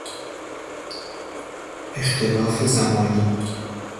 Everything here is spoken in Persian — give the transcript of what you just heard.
اختلاف زمانی